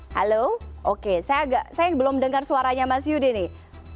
halo oke saya belum dengar suaranya mas yudi nih